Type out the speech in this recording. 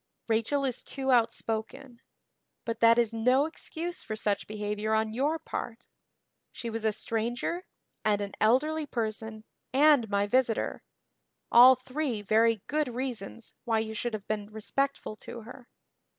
"Rachel is too outspoken. But that is no excuse for such behavior on your part. She was a stranger and an elderly person and my visitor all three very good reasons why you should have been respectful to her.